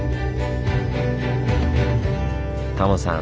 タモさん